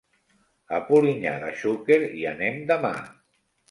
A Polinyà de Xúquer hi anem demà.